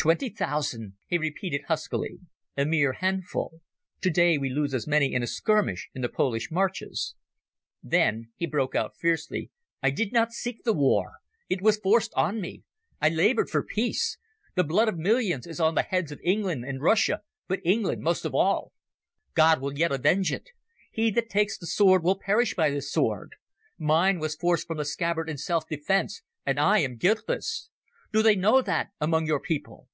"Twenty thousand," he repeated huskily. "A mere handful. Today we lose as many in a skirmish in the Polish marshes." Then he broke out fiercely. "I did not seek the war ... It was forced on me ... I laboured for peace ... The blood of millions is on the heads of England and Russia, but England most of all. God will yet avenge it. He that takes the sword will perish by the sword. Mine was forced from the scabbard in self defence, and I am guiltless. Do they know that among your people?"